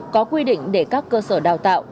có quy định để các cơ sở đào tạo